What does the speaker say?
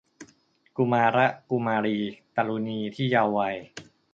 กุมาระกุมารี ตะรุณีที่เยาว์วัย